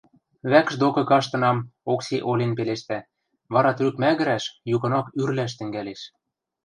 — Вӓкш докы каштынам, — Окси олен пелештӓ, вара трӱк мӓгӹрӓш, юкынок ӱрлӓш тӹнгӓлеш.